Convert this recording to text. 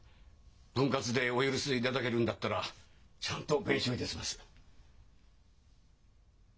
分割でお許しいただけるんだったらちゃんと弁償いたします。